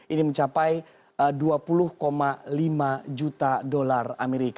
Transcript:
ini mencapai dua puluh lima juta dolar as